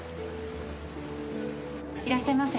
いらっしゃいませ。